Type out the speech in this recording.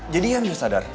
jadi ian sudah sadar